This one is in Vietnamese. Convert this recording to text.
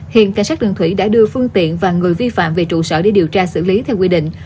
hiện cảnh sát đường thủy đã đưa phương tiện và người vi phạm về trụ sở để điều tra xử lý theo quy định